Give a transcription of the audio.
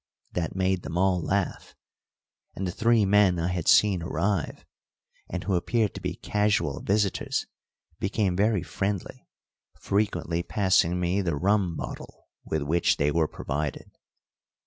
That made them all laugh, and the three men I had seen arrive, and who appeared to be casual visitors, became very friendly, frequently passing me the rum bottle with which they were provided.